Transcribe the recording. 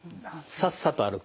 さっさと歩く。